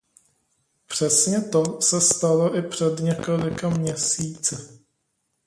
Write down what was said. Přesně to se stalo i před několika měsíci.